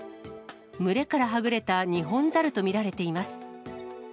群れからはぐれたニホンザルと見られています。